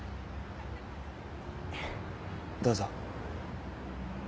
どうぞ。